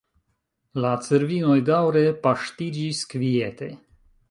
La cervinoj daŭre paŝtiĝis kviete.